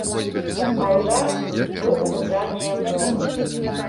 А ўдар быў у задняе кола.